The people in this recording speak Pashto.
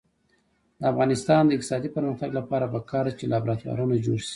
د افغانستان د اقتصادي پرمختګ لپاره پکار ده چې لابراتوارونه جوړ شي.